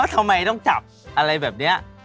ทำไมต้องจับอะไรแบบนี้